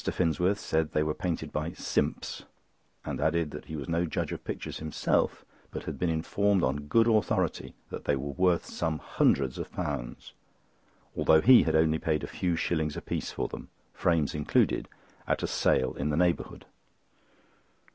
Finsworth said they were painted by "Simpz," and added that he was no judge of pictures himself but had been informed on good authority that they were worth some hundreds of pounds, although he had only paid a few shillings apiece for them, frames included, at a sale in the neighbourhood.